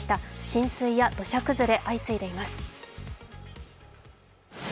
浸水や土砂崩れ、相次いでいます。